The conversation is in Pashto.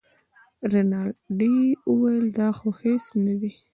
رینالډي وویل دا خو هېڅ نه دي.